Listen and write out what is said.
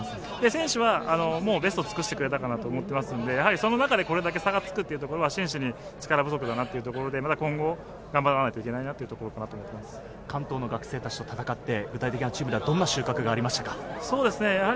選手はベストを尽くしてくれたかなと思っていますので、これだけ差がつくということは真摯に力不足だなというところで、また今後、頑張らなければいけな関東の学生たちと戦って、具体的にどんな収穫がありましたか？